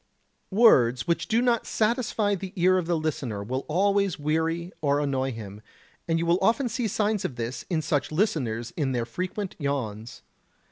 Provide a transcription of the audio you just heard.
Words which do not satisfy the ear of the listener will always weary or annoy him; and you will often see signs of this in such listeners in their frequent yawns.